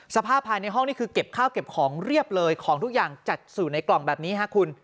สภาพภายในห้องนี่คือเก็บข้าวเก็บของเรียบเลยของทุกอย่างจัดสู่ในกล่องแบบนี้ฮะคุณ